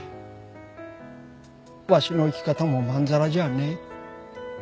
わしの生き方もまんざらじゃねえ。